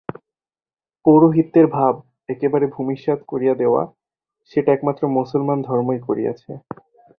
পৌরোহিত্যের ভাব একেবারে ভূমিসাৎ করিয়া দেওয়া, সেটা একমাত্র মুসলমান ধর্মই করিয়াছে।